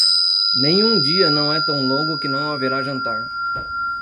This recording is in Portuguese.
Nenhum dia não é tão longo que não haverá jantar.